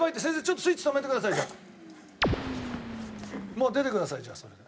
もう出てくださいじゃあそれで。